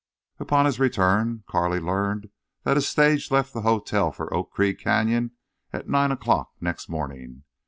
Upon his return Carley learned that a stage left the hotel for Oak Creek Canyon at nine o'clock next morning.